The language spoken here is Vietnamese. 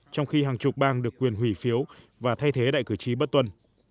trong khi hàng chục bang được quyền hủy phiếu và thay thế đại cử tri bất tuân